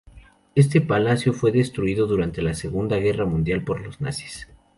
Este palacio fue destruido durante la Segunda Guerra Mundial por los nazis.